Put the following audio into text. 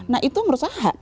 nah itu merusak hak